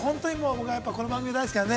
僕はこの番組が大好きなんで。